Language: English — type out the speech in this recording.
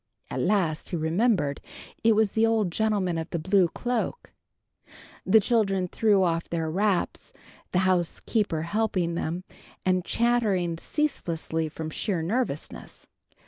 At last he remembered. It was the old gentleman of the blue cloak. The children threw off their wraps, the housekeeper helping them, and chattering ceaselessly, from sheer nervousness.